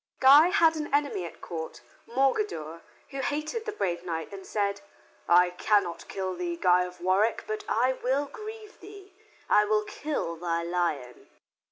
Guy had an enemy at court, Morgadour, who hated the brave knight and said, "I cannot kill thee, Guy of Warwick, but I will grieve thee. I will kill thy lion."